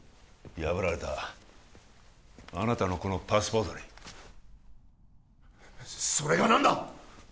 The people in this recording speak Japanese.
破られたあなたのこのパスポートにそれが何だ？